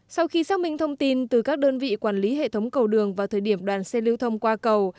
sau khi xác minh thông tin từ các đơn vị quản lý hệ thống cầu đường vào thời điểm đoàn xe lưu thông qua cầu